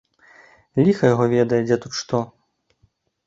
Ліха яго ведае, дзе тут што.